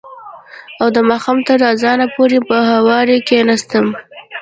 او د ماښام تر اذانه پورې به هورې کښېناستم.